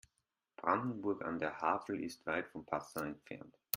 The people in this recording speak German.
Brandenburg an der Havel ist weit von Passau entfernt